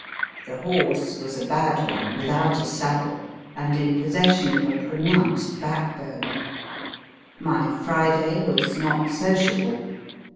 The horse was a bad one, without a saddle, and in possession of a pronounced backbone. My Friday was not sociable.